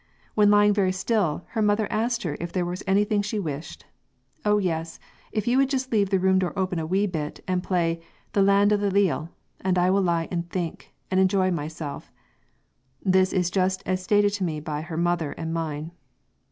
When lying very still, her mother asked her if there was anything she wished: 'Oh yes! if you would just leave the room door open a wee bit, and play 'The Land o' the Leal,' and I will lie and think, and enjoy myself' (this is just as stated to me by her mother and mine).